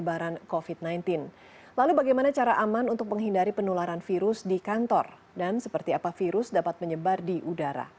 who sudah mengeluarkan statement yang baru ya